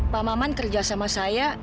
pak maman kerja sama saya